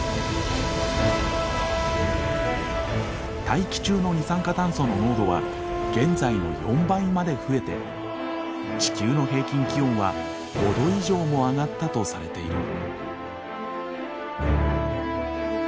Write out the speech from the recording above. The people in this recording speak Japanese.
大気中の二酸化炭素の濃度は現在の４倍まで増えて地球の平均気温は５度以上も上がったとされている。